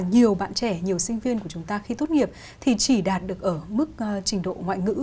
nhiều bạn trẻ nhiều sinh viên của chúng ta khi tốt nghiệp thì chỉ đạt được ở mức trình độ ngoại ngữ